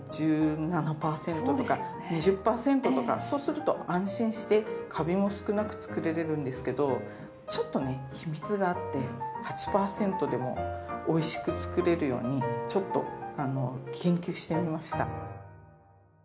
そうすると安心してかびも少なく作れるんですけどちょっとね秘密があって８％でもおいしく作れるようにちょっと研究してみました。